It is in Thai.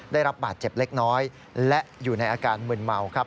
ได้รับบาดเจ็บเล็กน้อยและอยู่ในอาการมึนเมาครับ